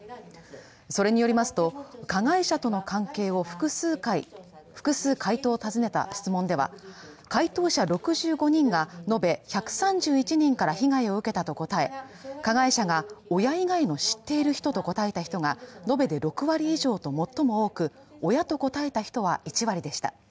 それによりますと、加害者との関係を複数回答を尋ねた質問では、回答者６５人が延べ１３１人から被害を受けたと答え、加害者が親以外の知っている人と答えた人が延べで６割以上と最も多く親と答えた人は１割でした。